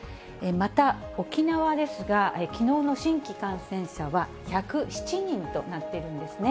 また、沖縄ですが、きのうの新規感染者は１０７人となっているんですね。